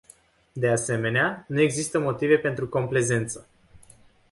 De asemenea, nu există motive pentru complezență.